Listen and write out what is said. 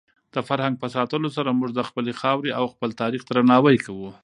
د فرهنګ په ساتلو سره موږ د خپلې خاورې او خپل تاریخ درناوی کوو.